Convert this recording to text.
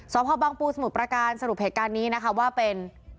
ซ้อมพ่อบ้างปูสมุทรประการสรุปเหตุการณ์นี้ว่าเป็น